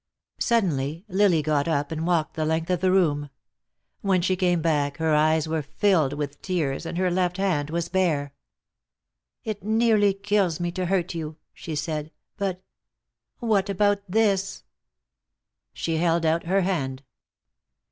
Suddenly Lily got up and walked the length of the room. When she came back her eyes were filled with tears, and her left hand was bare. "It nearly kills me to hurt you," she said, "but what about this?" She held out her hand.